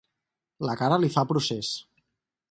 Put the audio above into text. La cara li fa procés.